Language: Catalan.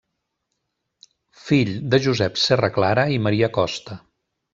Fill de Josep Serraclara i Maria Costa.